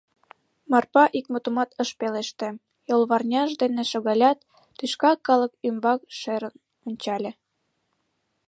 Марпа ик мутымат ыш пелеште, йолварняж дене шогалят, тӱшка калык ӱмбак шерын ончале: